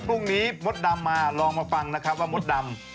พรุ่งนี้มดดำมาลองมาฟังนะครับว่ามดดำ